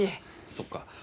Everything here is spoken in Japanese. そっか。